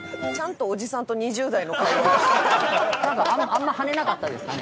あんま跳ねなかったですかね。